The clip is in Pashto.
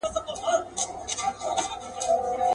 پر تورو رباتونو قافلې دي چي راځي.